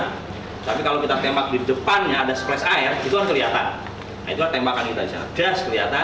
tapi kalau kita tembak di depannya ada splash air itu kan kelihatan